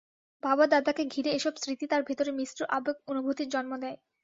বাবা দাদাকে ঘিরে এসব স্মৃতি তাঁর ভেতরে মিশ্র আবেগ অনুভূতির জন্ম দেয়।